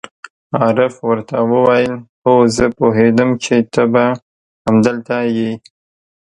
عارف ور ته وویل: هو، زه پوهېدم چې ته به همدلته یې.